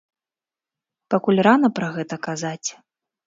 Пакуль рана пра гэта казаць.